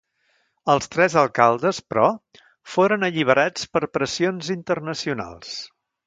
Els tres alcaldes, però, foren alliberats per pressions internacionals.